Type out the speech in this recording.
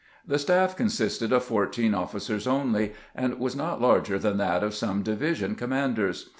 The staff consisted of fourteen officers only, and was not larger than that of some division commanders.